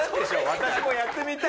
私もやってみたい！」